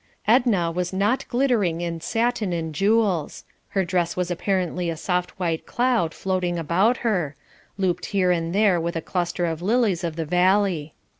Edna was not glittering in satin and jewels. Her dress was apparently a soft white cloud floating about her, looped here and there with a cluster of lilies of the valley.